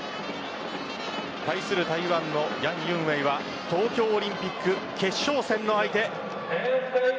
対する台湾のヤン・ユンウェイは東京オリンピック決勝戦の相手。